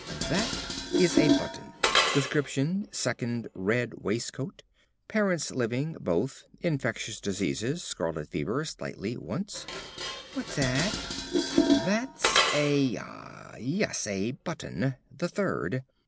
"That is a button. Description: second red waistcoat. Parents living: both. Infectious diseases: scarlet fever slightly once." "What's 'at?" "That's a ah, yes, a button. The third.